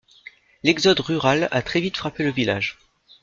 L'exode rural a très vite frappé le village.